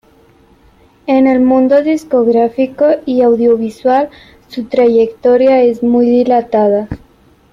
En el mundo discográfico y audiovisual, su trayectoria es muy dilatada.